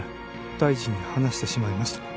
大臣に話してしまいました。